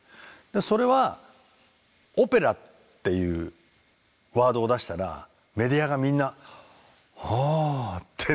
それはオペラっていうワードを出したらメディアがみんな「ああ！」って納得してくれたんだよね。